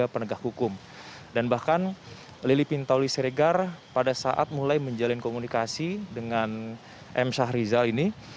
penegak hukum dan bahkan lili pintauli siregar pada saat mulai menjalin komunikasi dengan m syahrizal ini